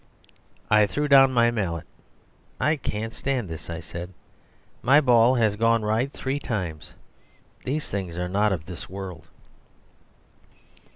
I threw down my mallet. "I can't stand this," I said. "My ball has gone right three times. These things are not of this world."